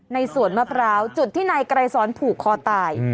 สวนมะพร้าวจุดที่นายไกรสอนผูกคอตาย